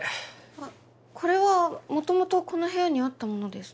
あっこれはもともとこの部屋にあったものです。